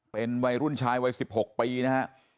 เป็นวัยรุ่นชายวัย๑๖ปีนะฮะ